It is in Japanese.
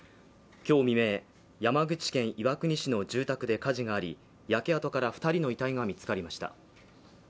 今日未明、山口県岩国市の住宅で火事があり、焼け跡から２人の遺体が見つかりました。